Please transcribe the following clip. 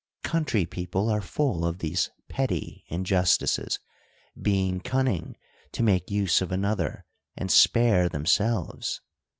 Country people are full of these petty injustices, being cunning to make use of another, and spare them selves.